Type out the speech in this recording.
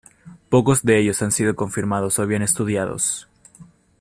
Pocos de ellos han sido confirmados o bien estudiados.